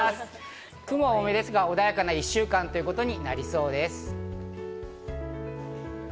雲は多めですが、穏やかな１週間となりそうです。